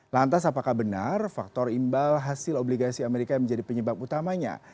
lantas apakah benar faktor imbal hasil obligasi amerika menjadi penyebab utamanya